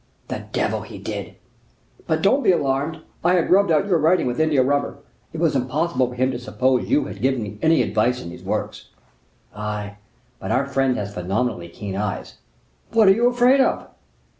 "The devil he did!" "But don't be alarmed, I had rubbed out your writing with India rubber. It was impossible for him to suppose you had given me any advice in those works." "Ay; but our friend has phenomenally keen eyes." "What are you afraid of?"